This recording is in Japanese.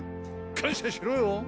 感謝しろよ！